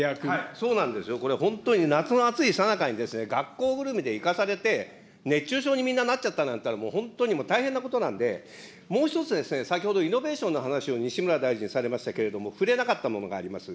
そうなんですよ、これ、本当に夏の暑いさなかに、学校ぐるみで行かされて、熱中症にみんななっちゃったなんていったら、大変なことなんで、もう１つ、先ほど、イノベーションの話を西村大臣、されましたけれども、触れなかったものがあります。